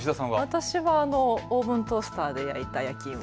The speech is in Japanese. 私はオーブントースターで焼いた焼き芋。